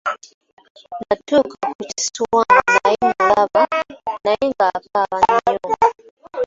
Natuuka ku kiswa nga naye mulaba naye ng’akaaba nnyo.